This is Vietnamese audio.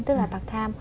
tức là part time